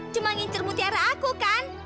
cuma ngincir mutiara aku kan